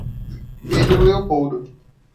Pedro Leopoldo